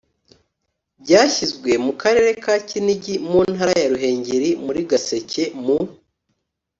byashyizwe mu Karere ka Kinigi mu Ntara ya Ruhengeri muri Gaseke mu